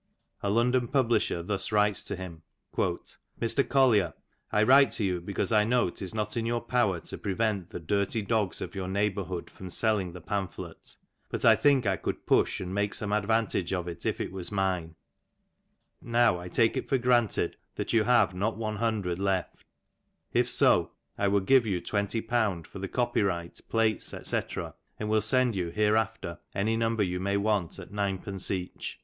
Mr. Collier : I write to you because I know His not in your power to prevent the Dirty Dogs of your Neighbourhood from sell ^' ing the pamphlet, but I think I could push and make some advan ^^ tage of it if it was mine. Now I take it for granted that you have " not one hundred left ; if so, I will give you twenty pounds for the " copyright, plates, &c.^ and will send you hereafter any number you ^'' may want at 9d. each.